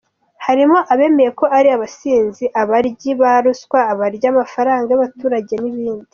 Harimo abemeye ko ari abasinzi, abaryi ba ruswa, abarya amafaranga y’abaturage n’ibindi.